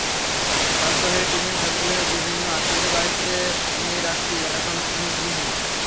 বাধ্য হয়ে টিনের ঘরগুলো বিভিন্ন আত্মীয়ের বাড়িতে নিয়ে রাখছি, এখন আমি ভূমিহীন।